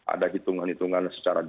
ada hitungan hitungan secara